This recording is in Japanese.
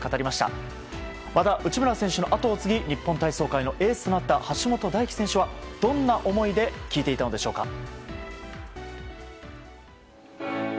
また、内村選手の後を継ぎ体操界のエースとなった橋本大輝選手はどんな思いで聞いていたのでしょうか。